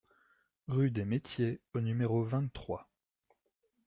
Rue des Metiers au numéro vingt-trois